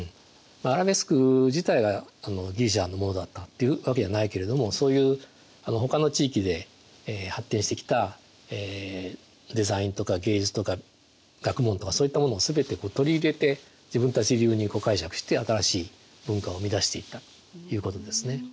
アラベスク自体がギリシアのものだったっていうわけじゃないけれどもそういうほかの地域で発展してきたデザインとか芸術とか学問とかそういったものを全て取り入れて自分たち流に解釈して新しい文化を生み出していったということですね。